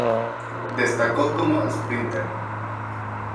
Destacó como sprinter.